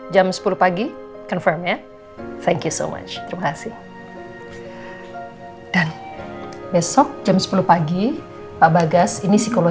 jam sepuluh pagi confirm ya thanch terima kasih dan besok jam sepuluh pagi pak bagas ini psikolog